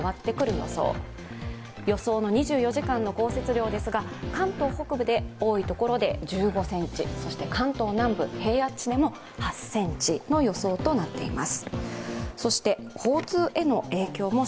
予想の２４時間の降雪量ですが関東北部で多いところで１５ｃｍ、そして関東南部、平地でも８ｃｍの予想となってぃます